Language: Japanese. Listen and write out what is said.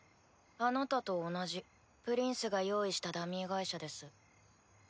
あなたと同じプリンスが用意したダミー会社です。